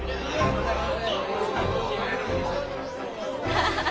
ハハハ！